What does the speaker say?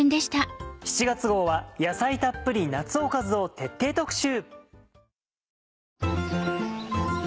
７月号は「野菜たっぷり夏おかず」を徹底特集。